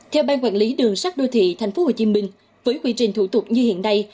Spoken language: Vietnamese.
theo ban quản lý đường sắt đô thị tp hcm với quy trình thủ tục như hiện nay